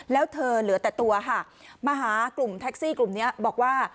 แล้วเธอเหลือแต่ตัวค่ะมาหากลุ่มแท็กซี่กลุ่มนี้บอกว่า